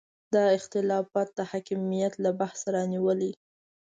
دا اختلاف د حکمیت له بحثه رانیولې.